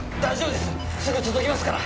すぐ届きますから！